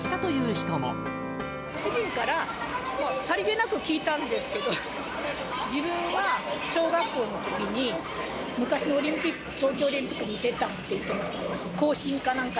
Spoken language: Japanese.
主人からさりげなく聞いたんですけど、自分は小学校のときに、昔のオリンピック、東京オリンピックに出たって言ってました。